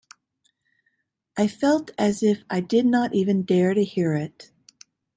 I felt as if I did not even dare to hear it.